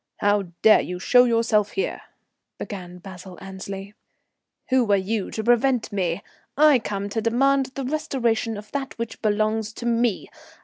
"How dare you show yourself here?" began Basil Annesley. "Who are you to prevent me? I come to demand the restoration of that which belongs to me.